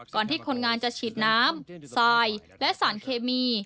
ที่คนงานจะฉีดน้ำทรายและสารเคมี